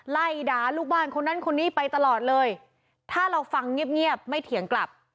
ไล่ด่าลูกบ้านคนนั้นคนนี้ไปตลอดเลยถ้าเราฟังเงียบเงียบไม่เถียงกลับ